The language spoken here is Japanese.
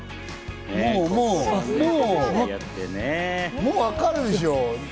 もう、もうわかるでしょ！